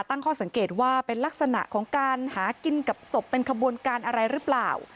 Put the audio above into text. ตั้งข้อสังเกตว่าเป็นลักษณะของการหากินกับศพเป็นขบวนการอะไรหรือเปล่า